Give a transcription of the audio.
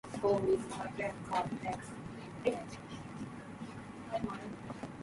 All other areas of the township are unincorporated.